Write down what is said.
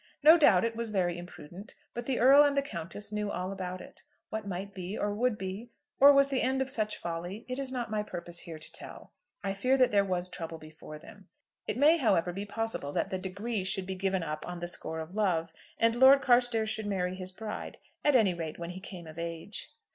No doubt it was very imprudent, but the Earl and the Countess knew all about it. What might be, or would be, or was the end of such folly, it is not my purpose here to tell. I fear that there was trouble before them. It may, however, be possible that the degree should be given up on the score of love, and Lord Carstairs should marry his bride, at any rate when he came of age.